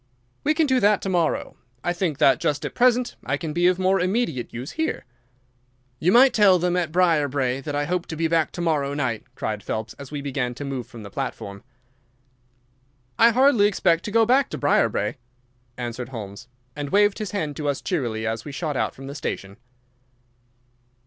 "We can do that to morrow. I think that just at present I can be of more immediate use here." "You might tell them at Briarbrae that I hope to be back to morrow night," cried Phelps, as we began to move from the platform. "I hardly expect to go back to Briarbrae," answered Holmes, and waved his hand to us cheerily as we shot out from the station.